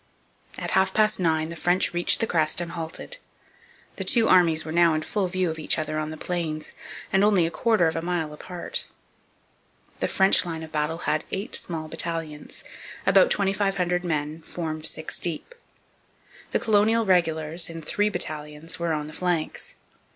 At half past nine the French reached the crest and halted. The two armies were now in full view of each other on the Plains and only a quarter of a mile apart. The French line of battle had eight small battalions, about 2,500 men, formed six deep. The colonial regulars, in three battalions, were on the flanks.